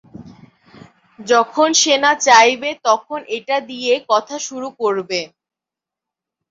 যখন সেনা চাইবে তখন এটা দিয়েই কথা শুরু করবে।